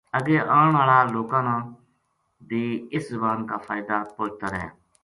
اگے آن ہالا لوکاں نا بے اس زبان کا فائدہ پوہچتا رہ